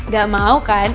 gak mau kan